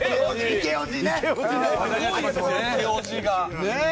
イケおじが。ねえ！